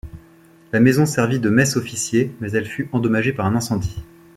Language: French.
La maison servit de mess officiers, mais elle fut endommagée par un incendie.